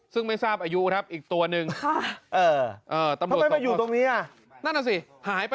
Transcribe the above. ซึ่งไม่ทราบอายุครับอีกตัวหนึ่งอ่าเธอไปไปอยู่ตรงนี้หะ